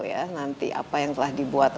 ya nanti apa yang telah dibuat